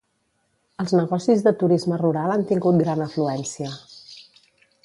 Els negocis de turisme rural han tingut gran afluència.